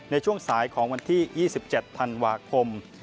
ในช่วงสายของวันที่๒๗ธันวาคม